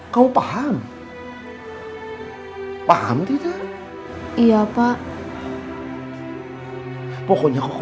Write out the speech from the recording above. kamu pasti bisa mencari biaya untuk menyekolahkan kamu